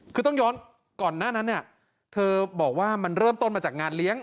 คือต้องย้อนก่อนหน้านั้นเนี่ยเธอบอกว่ามันเริ่มต้นมาจากงานเลี้ยง